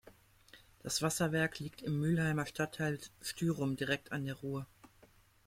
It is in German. Das Wasserwerk liegt im Mülheimer Stadtteil Styrum direkt an der Ruhr.